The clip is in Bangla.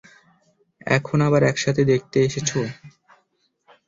এখন আবার একসাথে দেখতে এসেছো।